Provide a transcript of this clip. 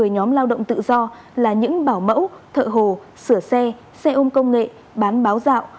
một mươi nhóm lao động tự do là những bảo mẫu thợ hồ sửa xe xe ôm công nghệ bán báo dạo